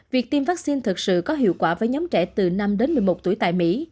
việc tiêm vaccine thật sự có hiệu quả với nhóm trẻ từ năm đến một mươi một tuổi tại mỹ